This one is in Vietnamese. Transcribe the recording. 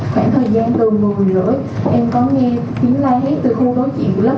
khoảng thời gian từ một mươi h ba mươi em có nghe tiếng la hét từ khu đối chuyện lớp hai ba